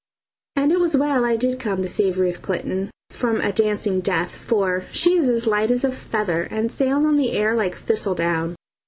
And it was well I did come to save Ruth Clinton from a dancing death, for she is as light as a feather and sails on the air like thistle down.